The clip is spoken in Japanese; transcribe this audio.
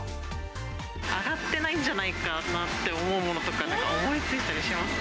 上がってないんじゃないかなって思うものとかってなんか思いついたりしますか？